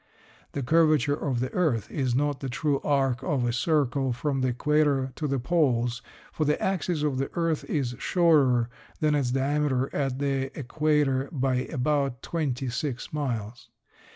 The curvature of the earth is not the true arc of a circle from the equator to the poles, for the axis of the earth is shorter than its diameter at the equator by about twenty six miles.